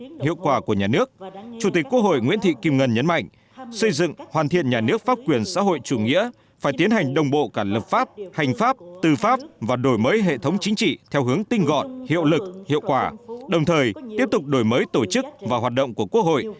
để hiệu quả của nhà nước chủ tịch quốc hội nguyễn thị kim ngân nhấn mạnh xây dựng hoàn thiện nhà nước pháp quyền xã hội chủ nghĩa phải tiến hành đồng bộ cả lập pháp hành pháp tư pháp và đổi mới hệ thống chính trị theo hướng tinh gọn hiệu lực hiệu quả đồng thời tiếp tục đổi mới tổ chức và hoạt động của quốc hội